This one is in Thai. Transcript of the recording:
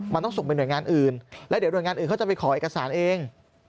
มันต้องส่งไปหน่วยงานอื่นแล้วเดี๋ยวหน่วยงานอื่นเขาจะไปขอเอกสารเอง